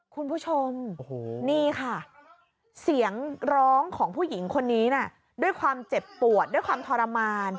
คุณผู้ชมนี่ค่ะเสียงร้องของผู้หญิงคนนี้น่ะด้วยความเจ็บปวดด้วยความทรมาน